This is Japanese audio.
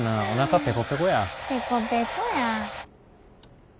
ペコペコや。